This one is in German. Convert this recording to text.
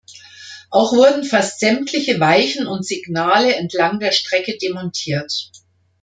Auch wurden fast sämtliche Weichen und Signale entlang der Strecke demontiert.